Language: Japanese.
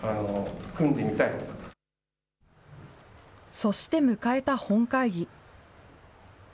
そして、迎えた本会議。